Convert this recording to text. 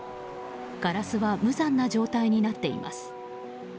ガラスは無残な状態になっています。